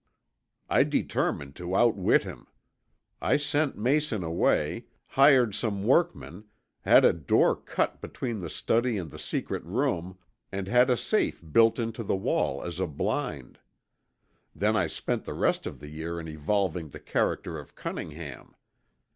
"I determined to outwit him. I sent Mason away, hired some workmen, had a door cut between the study and the secret room and had a safe built into the wall as a blind. Then I spent the rest of the year in evolving the character of Cunningham.